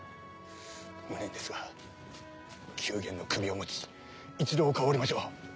無念ですが宮元の首を持ち一度丘を下りましょう。